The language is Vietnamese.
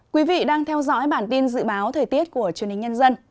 quý vị đang theo dõi bản tin dự báo thời tiết của truyền hình nhân dân